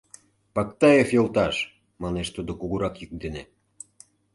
— Пактаев йолташ, — манеш тудо кугурак йӱк дене.